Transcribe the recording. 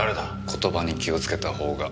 言葉に気をつけたほうが。